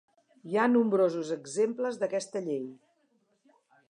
Hi ha nombrosos exemples d'aquesta llei.